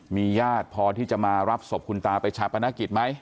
มีญาติพอที่จะมารับศพคุณตาไปชาปนกิจไหม